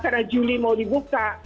karena juli mau dibuka